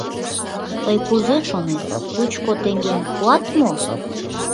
Тый кузе шонет, лучко теҥгем пуат мо?